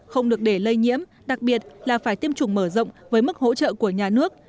không được để lây nhiễm đặc biệt là phải tiêm chủng mở rộng với mức hỗ trợ của nhà nước